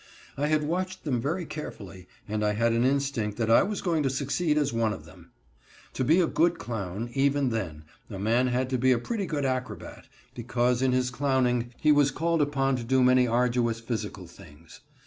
I had watched them very carefully, and I had an instinct that I was going to succeed as one of them. To be a good clown, even then, a man had to be a pretty good acrobat, because in his clowning he was called upon to do many arduous physical things.